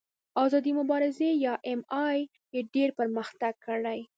آزادې مبارزې یا ایم ایم اې ډېر پرمختګ کړی.